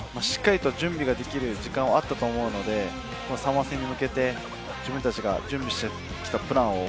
準備ができる時間はあったと思うので、サモア戦に向けて、自分たちが準備してきたプランを